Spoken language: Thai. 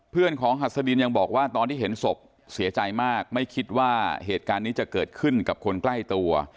เพื่อนของหัสดินยังบอกว่าตอนที่เห็นศพเสียใจมากไม่คิดว่าเหตุการณ์นี้จะเกิดขึ้นกับคนใกล้ตัว